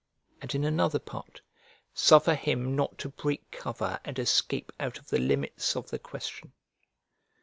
And in another part: "Suffer him not to break cover and escape out of the limits of the question."